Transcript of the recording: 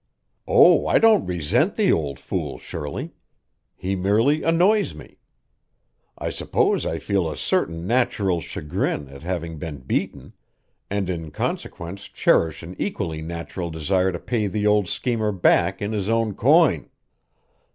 "Oh, I don't resent the old fool, Shirley. He merely annoys me. I suppose I feel a certain natural chagrin at having been beaten, and in consequence cherish an equally natural desire to pay the old schemer back in his own coin.